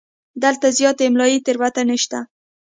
دلته زیاتې املایي تېروتنې شته.